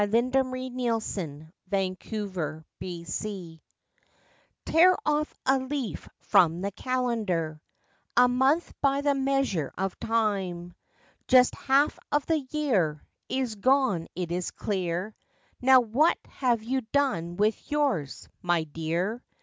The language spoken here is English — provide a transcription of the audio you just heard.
LIFE WAVES 79 THE CALENDAR Tear off a leaf from the calendar— A month by the measure of time, Just half of the year Is gone it is clear, Now what have you done with yours, my dear?